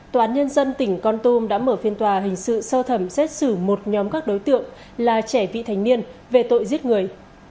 tòa án nhân dân tỉnh con tum đã mở phiên tòa hình sự sơ thẩm xét xử một nhóm các đối tượng là trẻ vị thành niên về tội giết người